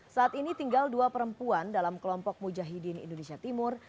saat ini tinggal dua perempuan dalam kelompok mujahidin indonesia timur